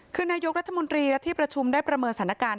คือนายกรัฐมนตรีและที่ประชุมได้ประเมินสถานการณ์